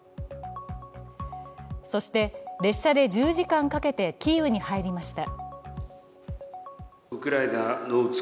そして列車で１０時間かけてキーウに入りました。